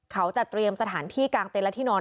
เขาจะเตรียมสถานที่กลางเต็นและที่นอน